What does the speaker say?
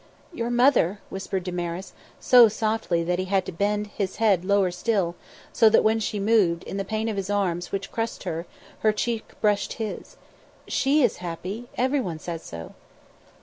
"Your mother," whispered Damaris, so softly that he had to bend, his head lower still, so that when she moved, in the pain of his arms which crushed her, her cheek brushed his. "She is happy everyone says so."